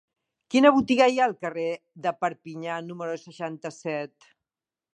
Quina botiga hi ha al carrer de Perpinyà número seixanta-set?